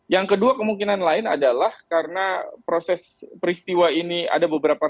yang kedua kemungkinan lain adalah karena proses peristiwa ini ada beberapa